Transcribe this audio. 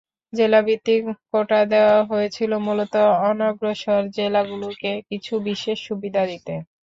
জেলাভিত্তিক quota দেওয়া হয়েছিল মূলত অনগ্রসর জেলাগুলোকে কিছুটা বিশেষ সুবিধা দিতে।